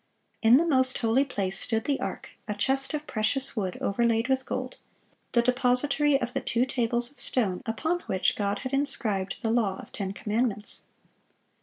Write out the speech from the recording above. In the most holy place stood the ark, a chest of precious wood overlaid with gold, the depository of the two tables of stone upon which God had inscribed the law of ten commandments.